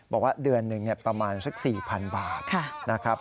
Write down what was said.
บอกว่าเดือนหนึ่งประมาณสัก๔๐๐๐บาทนะครับ